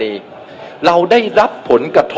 ไม่ว่าจะเป็นท่าน